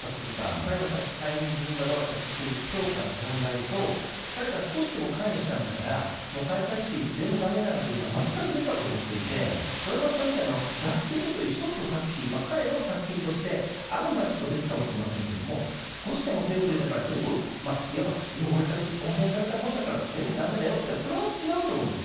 彼の解任、辞任がどうだったかという評価の問題と、彼が少しでも関与したんだから、開会式全部だめじゃんというのは、全く別だと思っていて、小山田さんみたいな、楽曲という一つの作品、彼の作品としてあるんならちょっと別かもしれませんけれども、少しでも手を触れたから全部、いわば汚れた、汚染されたものだから、全部だめだよって、これは違うと思うんですよ。